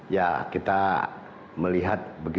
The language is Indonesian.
ya kita melihat begini